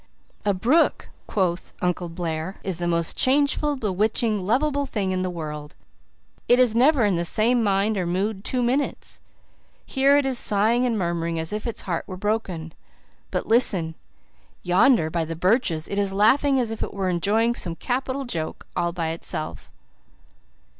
"A brook," quoth Uncle Blair, "is the most changeful, bewitching, lovable thing in the world. It is never in the same mind or mood two minutes. Here it is sighing and murmuring as if its heart were broken. But listen yonder by the birches it is laughing as if it were enjoying some capital joke all by itself."